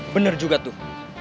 bener juga tuh